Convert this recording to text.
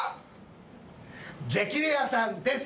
『激レアさん』です。